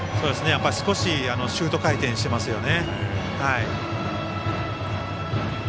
少しシュート回転していますよね。